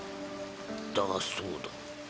だそうだ。